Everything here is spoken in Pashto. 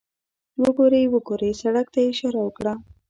وګورئ، وګورئ، سړک ته یې اشاره وکړه.